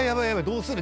どうする？